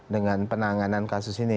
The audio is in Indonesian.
dengan penanganan kasus ini